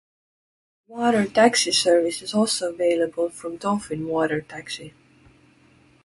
Water taxi service is also available from Dolphin Water Taxi.